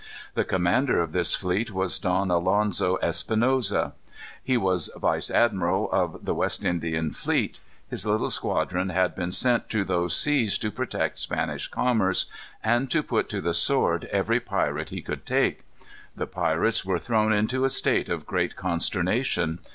The commander of this fleet was Don Alonzo Espinosa. He was vice admiral of the West Indian fleet. His little squadron had been sent to those seas to protect Spanish commerce, and to put to the sword every pirate he could take. The pirates were thrown into a state of great consternation.